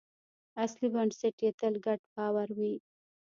اصلي بنسټ یې تل ګډ باور وي.